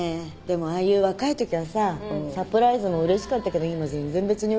でもああいう若いときはさサプライズもうれしかったけど今全然別にうれしくないよね。